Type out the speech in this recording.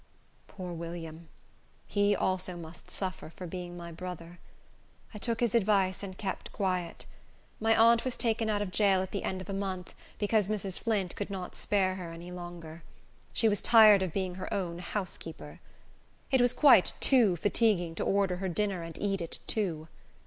Poor William! He also must suffer for being my brother. I took his advice and kept quiet. My aunt was taken out of jail at the end of a month, because Mrs. Flint could not spare her any longer. She was tired of being her own housekeeper. It was quite too fatiguing to order her dinner and eat it too.